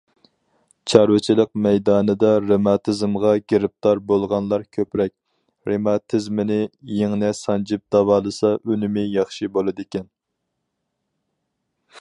... چارۋىچىلىق مەيدانىدا رېماتىزمغا گىرىپتار بولغانلار كۆپرەك، رېماتىزمنى يىڭنە سانجىپ داۋالىسا ئۈنۈمى ياخشى بولىدىكەن.